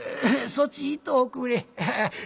そっち行っとおくれ。